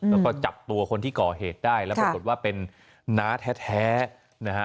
แล้วก็จับตัวคนที่ก่อเหตุได้แล้วปรากฏว่าเป็นน้าแท้นะฮะ